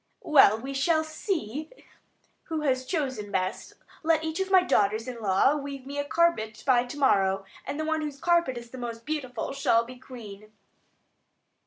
"Well, we shall see who has chosen best. Let each of my daughters in law weave me a carpet by to morrow, and the one whose carpet is the most beautiful shall be queen."